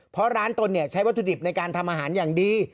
เพราะร้านตนใช้วัตถุดิบในการทำอาหารอย่างดี